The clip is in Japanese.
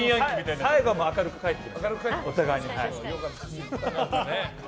最後も明るく帰ってました。